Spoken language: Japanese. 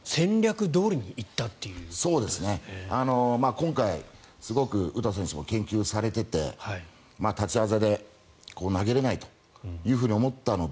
今回、すごく詩選手も研究されていて立ち技で投げれないと思ったので